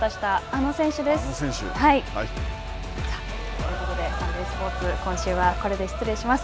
あの選手？ということでサンデースポーツ、今週はこれで失礼します。